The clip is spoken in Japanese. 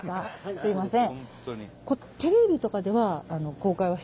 すいません。